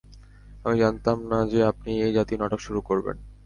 আমি জানতাম না যে, আপনি এই জাতীয় নাটক শুরু করবেন।